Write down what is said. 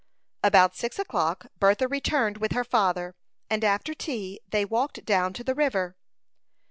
About six o'clock Bertha returned with her father; and after tea they walked down to the river.